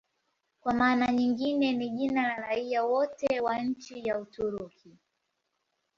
Kwa maana nyingine ni jina la raia wote wa nchi ya Uturuki.